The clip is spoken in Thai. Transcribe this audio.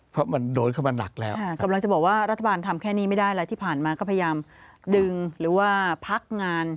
เพราะมันโดนเข้ามาหนักแล้วกำลังจะบอกว่ารัฐบาลทำแค่นี้ไม่ได้แล้วที่ผ่านมาก็พยายามดึงหรือว่าพักงาน